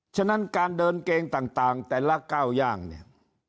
ฉะนั้นการเดินเกงต่างแต่ละก้าวย่างเนี่ย